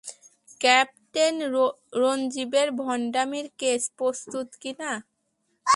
Captain রঞ্জিবের ভণ্ডামির case প্রস্তুত কিনা?